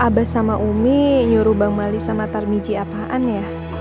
abah sama umi nyuruh bang mali sama tarmiji apaan ya